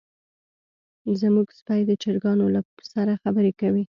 زمونږ سپی د چرګانو سره خبرې کوي.